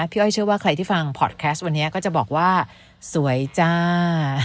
อ้อยเชื่อว่าใครที่ฟังพอร์ตแคสต์วันนี้ก็จะบอกว่าสวยจ้า